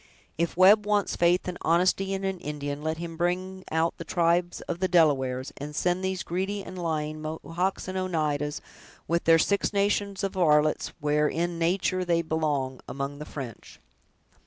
If Webb wants faith and honesty in an Indian, let him bring out the tribes of the Delawares, and send these greedy and lying Mohawks and Oneidas, with their six nations of varlets, where in nature they belong, among the French!"